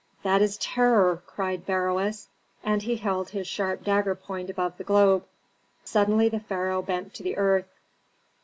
"That is Terror!" cried Beroes, and he held his sharp dagger point above the globe. Suddenly the pharaoh bent to the earth.